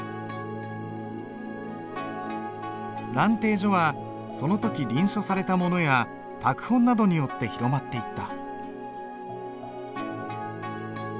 「蘭亭序」はその時臨書されたものや拓本などによって広まっていった。